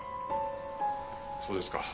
そうですか。